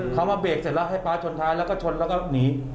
เขามาเบรกเสร็จแล้วให้ป๊าชนท้ายแล้วก็ชนแล้วก็หนี